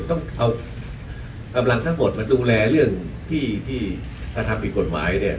ต้องเอากำลังทั้งหมดมาดูแลเรื่องที่ที่กระทำผิดกฎหมายเนี่ย